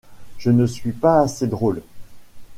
Je ne suis pas assez drôle.